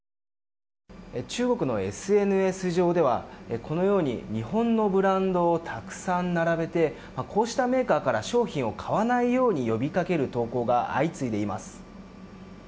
中国のＳＮＳ上ではこのように日本のブランドをたくさん並べてこうしたメーカーから商品を買わないように呼びかける投稿が相次いでいます。